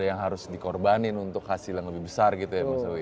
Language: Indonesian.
yang harus dikorbanin untuk hasil yang lebih besar gitu ya mas awi